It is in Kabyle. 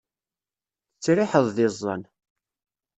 Tettriḥeḍ d iẓẓan.